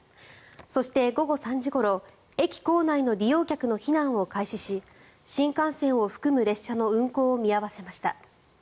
そして、午後３時ごろ駅構内の利用客の避難を開始し新幹線を含む列車の運行を見合わせました。